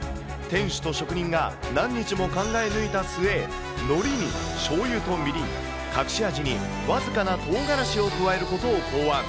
店主と職人が何日も考え抜いた末、海苔にしょうゆとみりん、隠し味に僅かなとうがらしを加えることを考案。